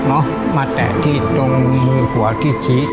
มาแตะมาแตะที่ออกที่ตรงหัวที่ชี้